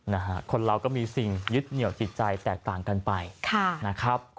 นะฮะคนเราก็มีสิ่งยึดเหนียวจิตใจแตกต่างกันไปค่ะนะครับ